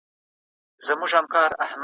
هغه زده کوونکي له خپلي تېروتني زده کړه وکړه.